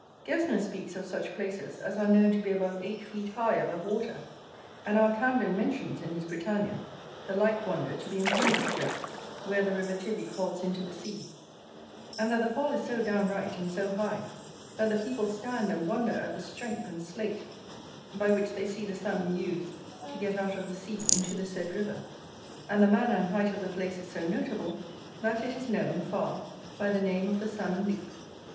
Gesner speaks of such places as are known to be above eight feet high above water. And our Camden mentions, in his Britannia, the like wonder to be in Pembrokeshire, where the river Tivy falls into the sea; and that the fall is so downright, and so high, that the people stand and wonder at the strength and sleight by which they see the Salmon use to get out of the sea into the said river; and the manner and height of the place is so notable, that it is known, far, by the name of the Salmon leap.